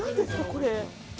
これ。